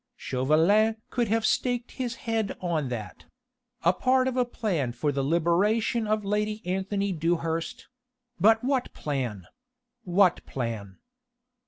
Chauvelin could have staked his head on that a part of a plan for the liberation of Lady Anthony Dewhurst but what plan? what plan?